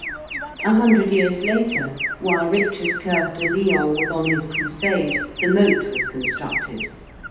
A hundred years later, while Richard Coeur de Lion was on his Crusade, the moat was constructed.